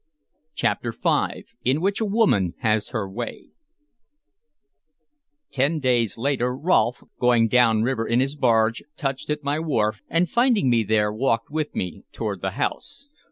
CHAPTER V IN WHICH A WOMAN HAS HER WAY TEN days later, Rolfe, going down river in his barge, touched at my wharf, and finding me there walked with me toward the house.